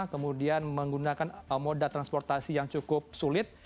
kemudian menggunakan moda transportasi yang cukup sulit